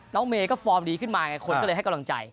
เมย์ก็ฟอร์มดีขึ้นมาไงคนก็เลยให้กำลังใจ